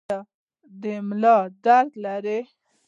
ایا د ملا درد لرئ؟